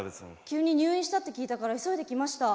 急に入院したって聞いたから急いで来ました。